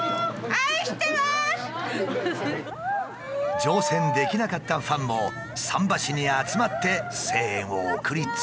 乗船できなかったファンも桟橋に集まって声援を送り続けた。